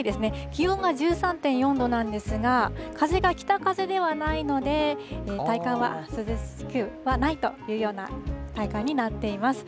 気温が１３．４度なんですが、風が北風ではないので、体感は涼しくはないというような体感になっています。